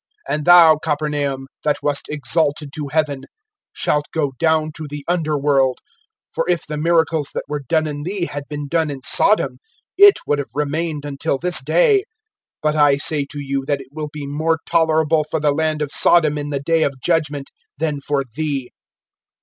(23)And thou, Capernaum, [11:23a]that wast exalted to heaven, shalt go down to the underworld[11:23b]. For if the miracles, that were done in thee, had been done in Sodom, it would have remained until this day. (24)But I say to you, that it will be more tolerable for the land of Sodom in the day of judgment, than for thee.